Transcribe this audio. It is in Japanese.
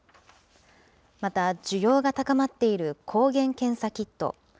また、需要が高まっている抗原検査キット。